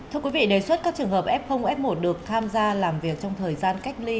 thưa quý vị đề xuất các trường hợp f f một được tham gia làm việc trong thời gian cách ly